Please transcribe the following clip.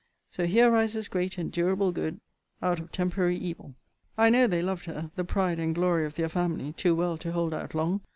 So here rises great and durable good out of temporary evil. I know they loved her (the pride and glory of their family,) too well to hold out long!